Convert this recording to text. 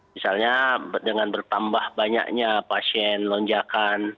misalnya dengan bertambah banyaknya pasien lonjakan